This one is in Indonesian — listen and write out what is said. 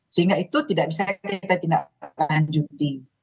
sehingga itu tidak bisa kita tindak lanjuti